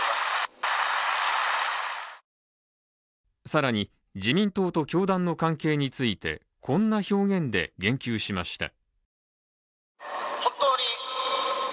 さらに、自民党と教団の関係について、こんな表現で言及しました。